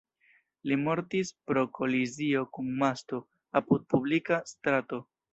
Li mortis pro kolizio kun masto apud publika strato.